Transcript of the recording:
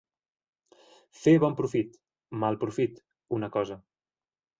Fer bon profit, mal profit, una cosa.